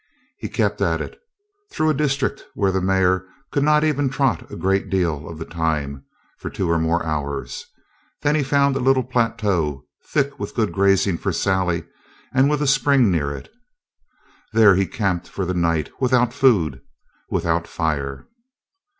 He kept at it, through a district where the mare could not even trot a great deal of the time, for two or more hours. Then he found a little plateau thick with good grazing for Sally and with a spring near it. There he camped for the night, without food, without fire.